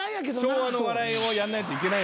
昭和の笑いをやんないといけないのよ